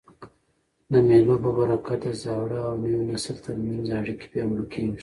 د مېلو په برکت د زاړه او نوي نسل تر منځ اړیکي پیاوړي کېږي.